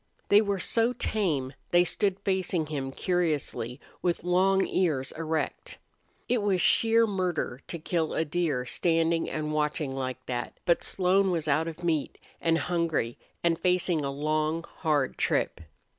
They were so tame they stood facing him curiously, with long ears erect. It was sheer murder to kill a deer standing and watching like that, but Slone was out of meat and hungry and facing a long, hard trip.